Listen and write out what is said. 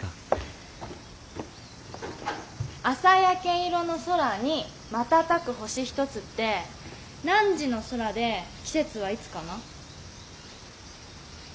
「朝焼け色の空にまたたく星ひとつ」って何時の空で季節はいつかな？